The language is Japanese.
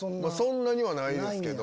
そんなにはないですけど。